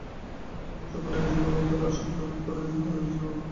তবে চলমান সংকট নিরসনে অভ্যুত্থানের আশঙ্কা নাকচ করে দিয়েছেন থাইল্যান্ডের সেনাপ্রধান।